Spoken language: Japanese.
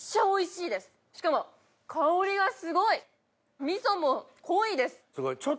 しかも香りがすごい！味噌も濃いです。